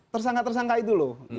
tersangka tersangka itu loh